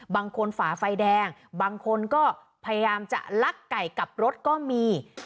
ฝ่าไฟแดงบางคนก็พยายามจะลักไก่กลับรถก็มี